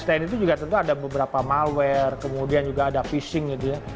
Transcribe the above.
selain itu juga tentu ada beberapa malware kemudian juga ada fishing gitu ya